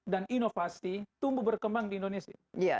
dan inovasi tumbuh berkembang di indonesia